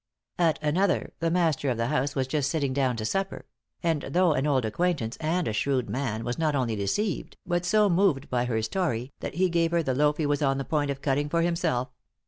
At another, the master of the house was just sitting down to supper; and though an old acquaintance and a shrewd man, was not only deceived, but so moved by her story, that he gave her the loaf he was on the point of cutting for himself.